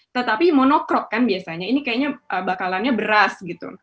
tetapi monokrok kan biasanya ini kayaknya bakalannya beras gitu